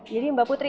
jadi mbak putri